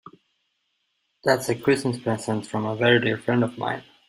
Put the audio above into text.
That's a Christmas present from a very dear friend of mine.